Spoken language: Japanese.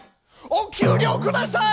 お給料ください！